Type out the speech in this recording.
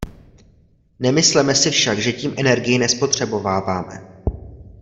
Nemysleme si však, že tím energii nespotřebováváme.